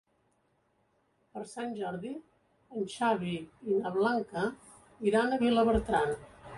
Per Sant Jordi en Xavi i na Blanca iran a Vilabertran.